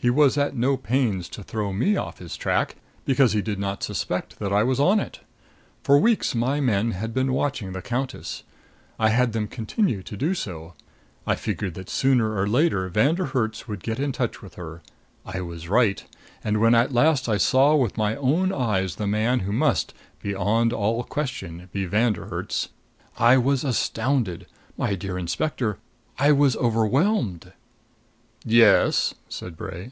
He was at no pains to throw me off his track, because he did not suspect that I was on it. For weeks my men had been watching the countess. I had them continue to do so. I figured that sooner or later Von der Herts would get in touch with her. I was right. And when at last I saw with my own eyes the man who must, beyond all question, be Von der Herts, I was astounded, my dear Inspector, I was overwhelmed." "Yes?" said Bray.